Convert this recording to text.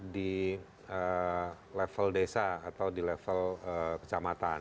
di level desa atau di level kecamatan